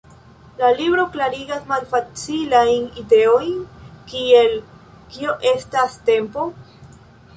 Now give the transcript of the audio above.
La libro klarigas malfacilajn ideojn, kiel "kio estas tempo?